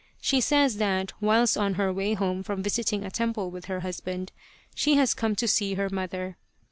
She says that, whilst on her way home from visiting a temple with her husband, she has come to see her mother.